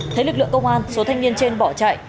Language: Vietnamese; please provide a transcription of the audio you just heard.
thấy lực lượng công an số thanh niên trên bỏ chạy